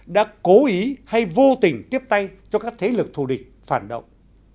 đã cố ý hay vô tình tiếp tay cho các thế lực thù địch phản động